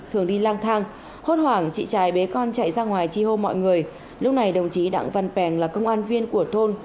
thường đi lang thang hốt hoảng chị trài bé con chạy ra ngoài chi hô mọi người lúc này đồng chí đặng văn phàng là công an viên của thôn